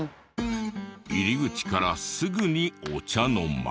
入り口からすぐにお茶の間。